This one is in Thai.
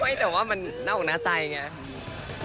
ไม่แต่ว่ามันน่าอุณหาใจอย่างนี้